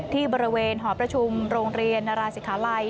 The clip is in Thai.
ที่บริเวณหอประชุมโรงเรียนนราศิขาลัย